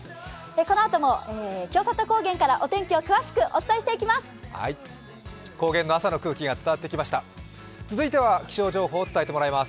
このあとも清里高原からお天気を詳しくお伝えしていきます。